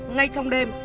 ngay trong đêm